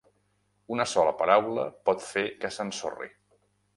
Una sola paraula pot fer que s'ensorri.